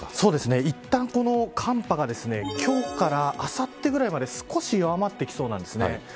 いったん、この寒波が今日からあさってくらいまで少し弱まってきそうなんですね。